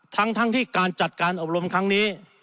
ทั้งที่การจัดการอบรมครั้งนี้